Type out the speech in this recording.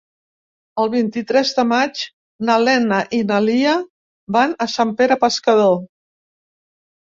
El vint-i-tres de maig na Lena i na Lia van a Sant Pere Pescador.